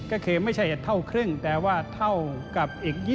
ก็คือไม่ใช่๑เท่าครึ่งแต่ว่าเท่ากับอีก๒๐